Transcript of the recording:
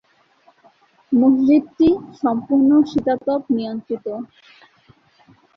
মসজিদটি সম্পূর্ণ শীতাতপ নিয়ন্ত্রিত।